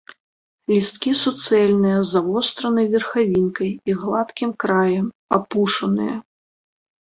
Лісткі суцэльныя, з завостранай верхавінкай і гладкім краем, апушаныя.